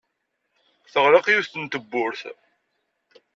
Teɣleq yiwet n tewwurt.